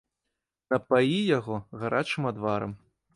Напаі яго гарачым адварам.